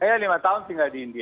saya lima tahun tinggal di india